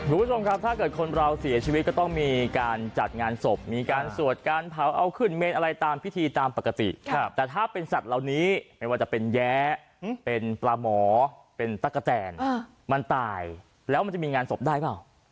คุณผู้ชมครับถ้าเกิดคนเราเสียชีวิตก็ต้องมีการจัดงานศพมีการสวดการเผาเอาขึ้นเมนอะไรตามพิธีตามปกติแต่ถ้าเป็นสัตว์เหล่านี้ไม่ว่าจะเป็นแย้เป็นปลาหมอเป็นตั๊กกะแตนมันตายแล้วมันจะมีงานศพได้เปล่า